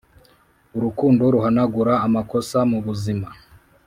urukundo ruhanagura amakosa mu buzima